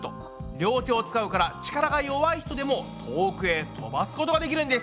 両手を使うから力が弱い人でも遠くへとばすことができるんです。